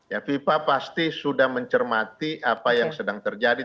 ya fifa pasti sudah mencermati apa yang sedang terjadi